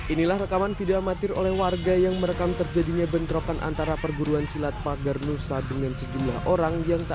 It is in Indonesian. inilah rekaman video amatir oleh warga yang merekam terjadinya bentrokan antara perguruan silat pagar nusa